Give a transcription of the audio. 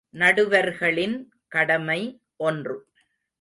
நடுவர்களின் கடமை ஒன்று.